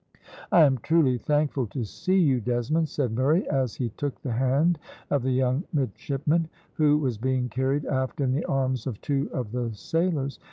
"I am truly thankful to see you, Desmond," said Murray, as he took the hand of the young midshipman, who was being carried aft in the arms of two of the sailors.